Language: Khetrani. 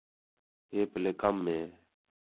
ہے پَلّے کَم ہِے